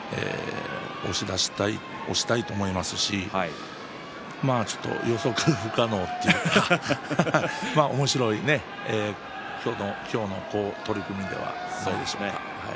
翔猿は一気に押し出したい押したいと思いますし予測不可能というかおもしろい今日の取組ではないでしょうか。